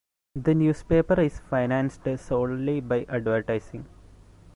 The newspaper is financed solely by advertising.